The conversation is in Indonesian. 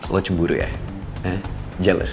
lo cemburu ya jealous